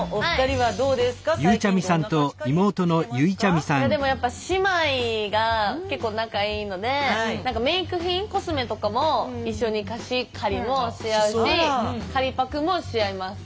いやでもやっぱ姉妹が結構仲いいのでメーク品コスメとかも一緒に貸し借りもし合うし借りパクもし合います。